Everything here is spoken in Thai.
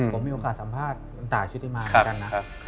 ผมมีโอกาสสัมภาษณ์ต่างจากชุดติมากันนะ